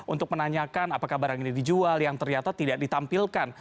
untuk menanyakan apakah barang ini dijual yang ternyata tidak ditampilkan